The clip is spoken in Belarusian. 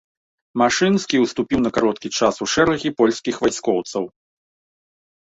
Машынскі ўступіў на кароткі час у шэрагі польскіх вайскоўцаў.